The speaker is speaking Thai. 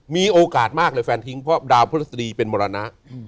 มีโอกาสมากเลยแฟนทิ้งเพราะดาวพฤศดีเป็นมรณะ